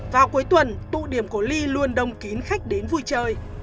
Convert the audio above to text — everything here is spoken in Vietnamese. vào cuối tuần tụ điểm của ly luôn đông kín khách đến vui chơi